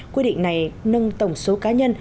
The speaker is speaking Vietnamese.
quy định này nâng tổng số cá nhân